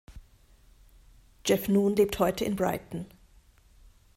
Jeff Noon lebt heute in Brighton.